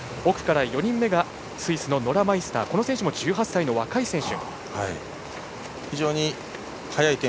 スイスのノラ・マイスターこの選手も１８歳の若い選手。